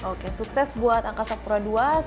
oke sukses buat angka satu dan dua